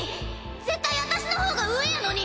絶対私の方が上やのに！